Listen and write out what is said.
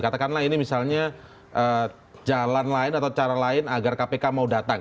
katakanlah ini misalnya jalan lain atau cara lain agar kpk mau datang